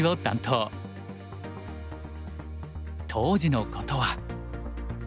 当時のことは。